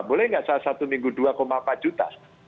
boleh nggak satu minggu dua empat juta